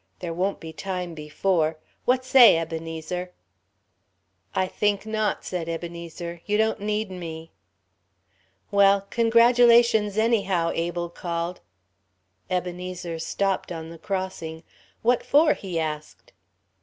There won't be time before ... what say, Ebenezer?" "I think not," said Ebenezer; "you don't need me." "Well congratulations anyhow!" Abel called. Ebenezer stopped on the crossing. "What for?" he asked.